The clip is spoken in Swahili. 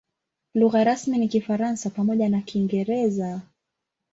Lugha rasmi ni Kifaransa pamoja na Kiingereza.